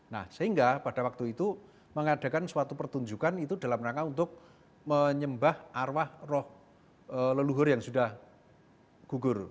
nah sehingga pada waktu itu mengadakan suatu pertunjukan itu dalam rangka untuk menyembah arwah roh leluhur yang sudah gugur